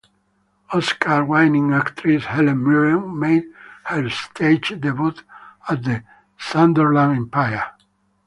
Oscar-winning actress Helen Mirren made her stage debut at the Sunderland Empire.